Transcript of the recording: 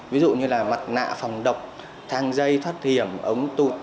ví dụ như là mặt nạ phòng độc thang dây thoát hiểm ống tụt